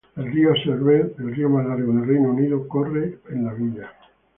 El río Severn, el río más largo del Reino Unido, corre en la villa.